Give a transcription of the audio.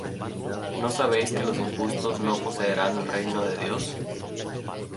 ¿No sabéis que los injustos no poseerán el reino de Dios?